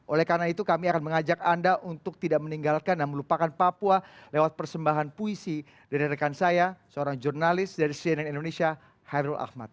oleh karena itu kami akan mengajak anda untuk tidak meninggalkan dan melupakan papua lewat persembahan puisi dari rekan saya seorang jurnalis dari cnn indonesia hairul ahmad